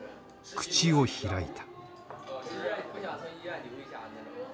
口を開いた。